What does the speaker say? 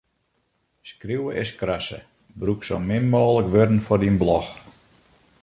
Skriuwe is skrasse: brûk sa min mooglik wurden foar dyn blog.